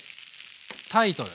タイトル。